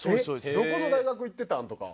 「どこの大学行ってたん？」とか。